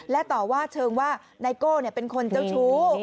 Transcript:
และต่อว่าเชิงว่าไนโก้เป็นคนเจ้าชู้